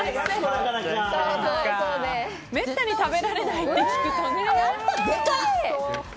めったに食べられないって聞くとね。